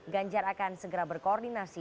ganjar akan segera berkoordinasi